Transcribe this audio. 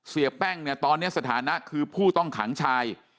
เสียแป้งเนี่ยตอนนี้สถานะคือผู้ต้องขังชาย